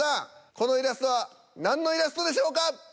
このイラストは何のイラストでしょうか？